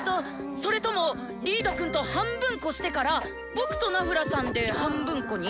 それともリードくんと半分こしてから僕とナフラさんで半分こに？